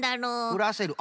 ふらせる？